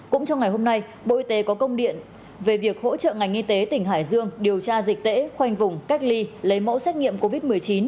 cũng trong ngày hôm nay bộ y tế có công điện về việc hỗ trợ ngành y tế tỉnh hải dương điều tra dịch tễ khoanh vùng cách ly lấy mẫu xét nghiệm covid một mươi chín